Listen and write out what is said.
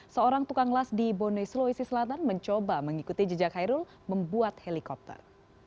seorang tukang las di bone sulawesi selatan mencoba mengikuti jejak hairul membuat helikopter